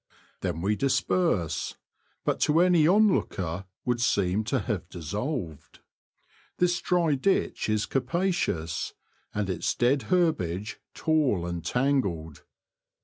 Then we disperse, but to any on looker would seem to have dissolved. This dry ditch is capacious, and its dead herbage tall and tangled.